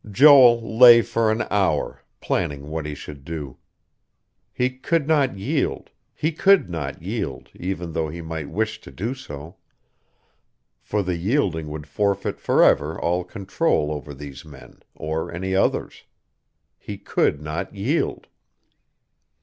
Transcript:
XIV Joel lay for an hour, planning what he should do. He could not yield.... He could not yield, even though he might wish to do so; for the yielding would forfeit forever all control over these men, or any others. He could not yield....